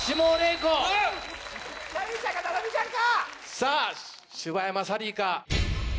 さぁ柴山サリーか？